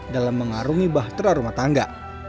dalam mengarungi bahtera rumah tangga